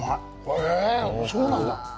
へえ、そうなんだ。